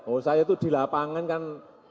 oh saya itu di lapangan kan